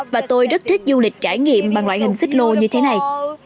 và tôi rất thích du lịch trải nghiệm bằng loại hình xích lô như thế này